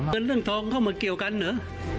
เงินเรื่องทองเข้ามาเกี่ยวกันเหรอ